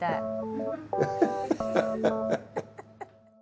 ハハハハ！